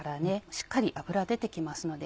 しっかり脂は出てきますので。